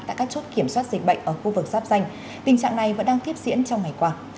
tại các chốt kiểm soát dịch bệnh ở khu vực giáp danh tình trạng này vẫn đang tiếp diễn trong ngày qua